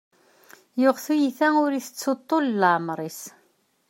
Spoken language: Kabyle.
Yuɣ tiyita ur itettu ṭṭul n leɛmer-is.